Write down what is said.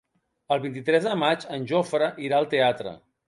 El vint-i-tres de maig en Jofre irà al teatre.